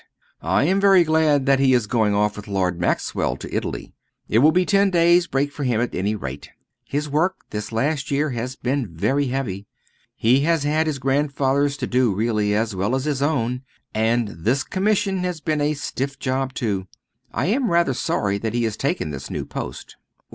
I am very glad that he is going off with Lord Maxwell to Italy. It will be ten days' break for him at any rate. His work this last year has been very heavy. He has had his grandfather's to do really, as well as his own; and this Commission has been a stiff job too. I am rather sorry that he has taken this new post."